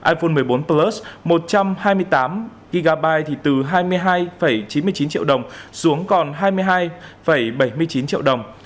iphone một mươi bốn plus một trăm hai mươi tám gigabyte thì từ hai mươi hai chín mươi chín triệu đồng xuống còn hai mươi hai bảy mươi chín triệu đồng